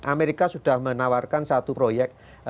amerika sudah menawarkan satu proyek